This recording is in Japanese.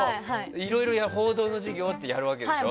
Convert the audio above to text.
いろいろ報道の授業とかやるわけでしょ。